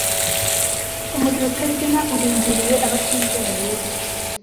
Umuriro utazima urindiriwe abatizera Yesu